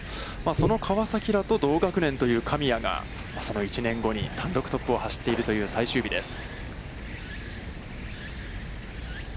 その川崎らと同学年という神谷が、その１年後に単独トップを走っているという最終日です。